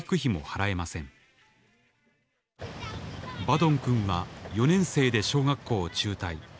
バドンくんは４年生で小学校を中退。